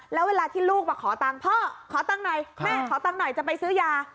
แล้วเวลาที่ลูกมาขอตังค์พ่อขอตังค์หน่อยแม่ขอตังค์หน่อยจะไปซื้อยา